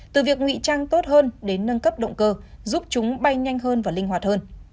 từ việc ngụy trang tốt hơn đến nâng cấp động cơ giúp chúng bay nhanh hơn và linh hoạt hơn